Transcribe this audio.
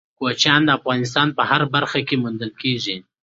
کوچیان د افغانستان په هره برخه کې موندل کېږي.